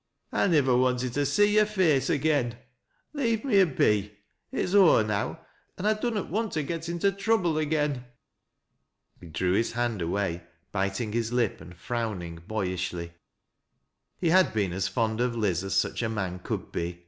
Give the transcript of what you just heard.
1 nivver wanted to see yore face agen. Leave me a b& It's ower now, an' I dunnot want to get into trouble agen." He drew his hand away, biting his lip and frowning boy ishly. He had been as fond of Liz as such a man could be.